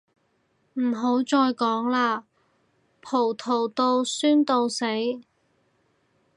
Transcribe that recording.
唔好再講喇，葡萄到酸到死